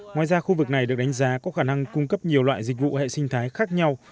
ngoài ra khu vực này được đánh giá có khả năng cung cấp nhiều loại dịch vụ hệ sinh thái khác nhau